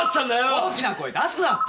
大きな声出すなって！